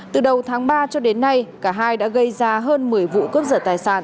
từ đầu tháng ba cho đến nay cả hai đã gây ra hơn một mươi vụ cướp dật tài sản